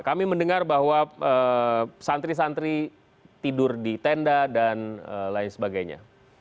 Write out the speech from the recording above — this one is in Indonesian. kami mendengar bahwa santri santri tidur di tenda dan lain sebagainya